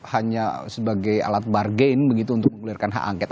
hanya sebagai alat bargain begitu untuk mengulirkan hak angket